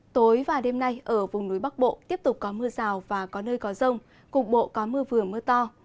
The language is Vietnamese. tối và đêm nay ở vùng núi bắc bộ tiếp tục có mưa rào và có nơi có rông cục bộ có mưa vừa mưa to